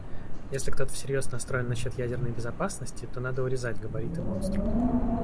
Если кто-то всерьез настроен насчет ядерной безопасности, то надо урезать габариты монстра.